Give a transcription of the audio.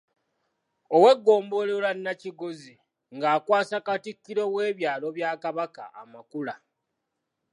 Ow’eggombolola Nakigozi nga akwasa Katikkiro w'ebyalo bya Kabaka amakula.